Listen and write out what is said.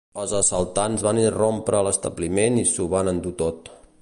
Els assaltants van irrompre a l'establiment i s'ho van endur tot.